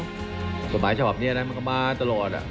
สมบัติเฉพาะแบบนี้มันก็มาตลอด